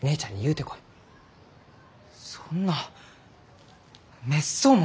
そんなめっそうもない！